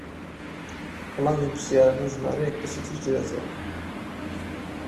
وەڵامی ئەم پرسیارانە و ژمارەیەک پرسی تریش دەداتەوە